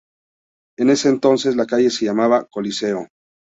En ese entonces la calle se llamaba Coliseo.